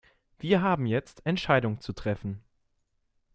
Wir haben jetzt Entscheidungen zu treffen.